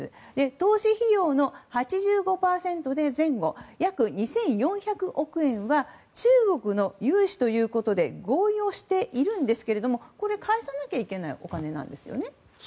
投資費用の８５％前後約２４００億円は中国の融資ということで合意をしているんですがこれは返さなきゃいけないお金なんですよね。